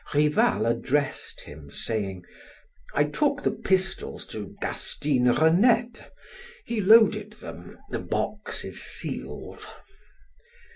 Rival addressed him, saying: "I took the pistols to Gastine Renette. He loaded them. The box is sealed."